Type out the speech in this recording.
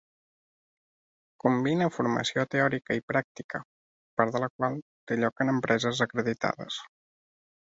Combina formació teòrica i pràctica, part de la qual té lloc en empreses acreditades.